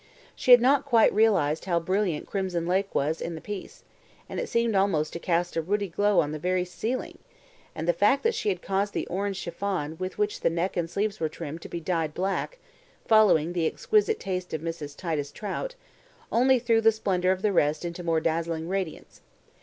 She had not quite realized how brilliant crimson lake was in the piece; it seemed almost to cast a ruddy glow on the very ceiling, and the fact that she had caused the orange chiffon with which the neck and sleeves were trimmed to be dyed black (following the exquisite taste of Mrs. Titus Trout) only threw the splendour of the rest into more dazzling radiance.